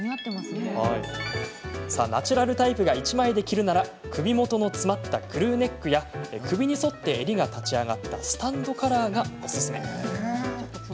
ナチュラルタイプが１枚で着るなら首元の詰まったクルーネックや首に沿って襟が立ち上がったスタンドカラーがおすすめ。